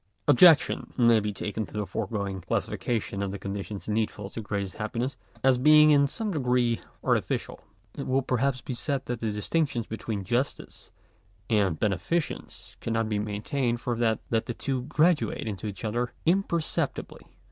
§8. Objection may be taken to the foregoing classification of the conditions needful to greatest happiness, as being in some degree artificial. It will perhaps be said that the distinction between justice and beneficence cannot be maintained, for that the two graduate into each other imperceptibly.